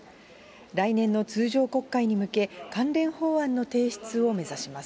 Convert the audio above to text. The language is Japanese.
来年の通常国会に向け、関連法案の提出を目指します。